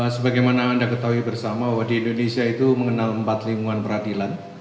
sebagaimana anda ketahui bersama bahwa di indonesia itu mengenal empat lingkungan peradilan